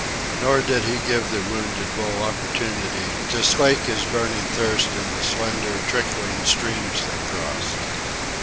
Nor did he give the wounded bull opportunity to slake his burning thirst in the slender trickling streams they crossed.